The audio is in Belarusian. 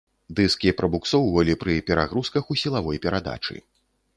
Дыскі прабуксоўвалі пры перагрузках ў сілавой перадачы.